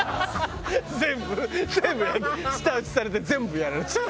全部全部やって舌打ちされて全部やられちゃう。